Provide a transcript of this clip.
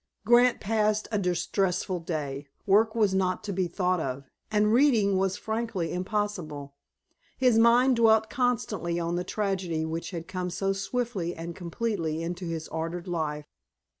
Grant passed a distressful day. Work was not to be thought of, and reading was frankly impossible. His mind dwelt constantly on the tragedy which had come so swiftly and completely into his ordered life.